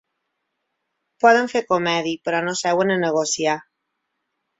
Poden fer comèdia, però no seuen a negociar.